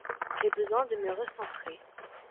J’ai besoin de me recentrer.